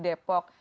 dan ini di depok